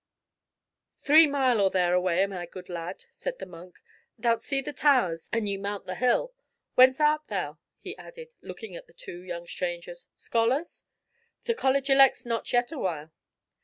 "Three mile or thereaway, my good lad," said the monk; "thou'lt see the towers an ye mount the hill. Whence art thou?" he added, looking at the two young strangers. "Scholars? The College elects not yet a while."